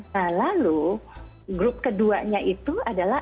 nah lalu grup keduanya itu adalah